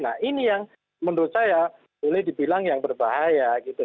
nah ini yang menurut saya boleh dibilang yang berbahaya gitu